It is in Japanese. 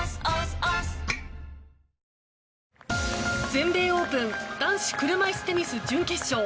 全米オープン男子車いすテニス準決勝。